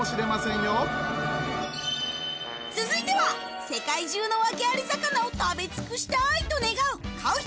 続いては世界中のワケアリ魚を食べ尽くしたいと願う買う